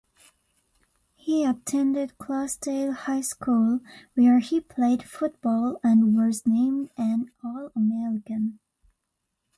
He attended Clarksdale High School, where he played football and was named an All-American.